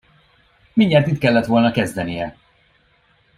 Mindjárt itt kellett volna kezdenie.